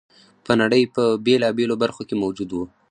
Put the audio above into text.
په نړۍ په بېلابېلو برخو کې موجود و